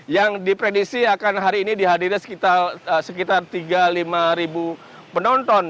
yang dipredisi akan hari ini dihadiri sekitar tiga puluh lima ribu penonton